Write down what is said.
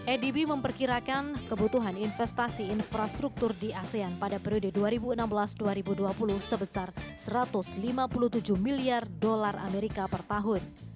adb memperkirakan kebutuhan investasi infrastruktur di asean pada periode dua ribu enam belas dua ribu dua puluh sebesar satu ratus lima puluh tujuh miliar dolar amerika per tahun